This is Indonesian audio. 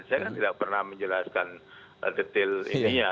saya kan tidak pernah menjelaskan detail ininya